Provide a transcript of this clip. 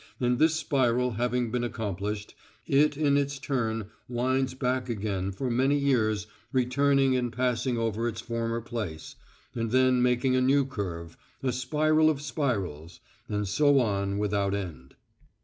And this spiral having been accomplished, it in its turn winds back again for many years, returning and passing over its former place, and then making a new curve a spiral of spirals.... And so on without end.